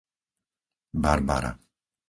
Barbara